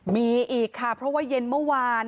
มีอีกค่ะเพราะว่าเย็นเมื่อวาน